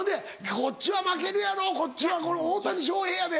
こっちは負けるやろこっちは大谷翔平やで。